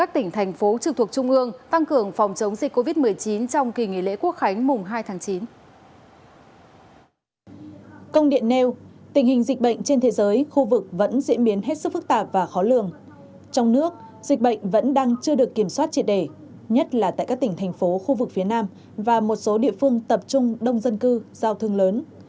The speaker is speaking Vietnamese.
dịch bệnh vẫn đang chưa được kiểm soát triệt đề nhất là tại các tỉnh thành phố khu vực phía nam và một số địa phương tập trung đông dân cư giao thương lớn